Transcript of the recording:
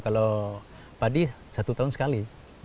kalau padi satu tahun sekali